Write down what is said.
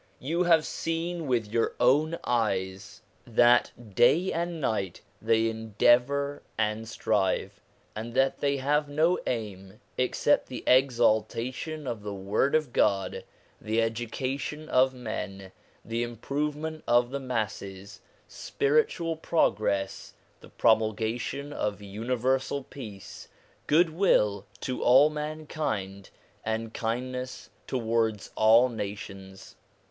You have seen with your own eyes that N 194 SOME ANSWERED QUESTIONS day and night they endeavour and strive, and that they have no aim except the exaltation of the word of God, the education of men, the improvement of the masses, spiritual progress, the promulgation of uni versal peace, goodwill to all mankind, and kindness towards all nations.